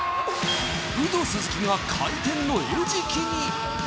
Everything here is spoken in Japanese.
ウド鈴木が回転の餌食に！